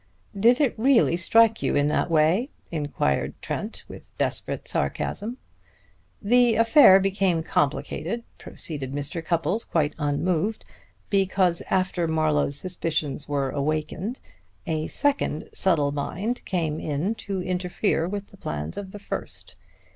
"Did it really strike you in that way?" inquired Trent with desperate sarcasm. "The affair became complicated," proceeded Mr. Cupples quite unmoved, "because after Marlowe's suspicions were awakened a second subtle mind came in to interfere with the plans of the first.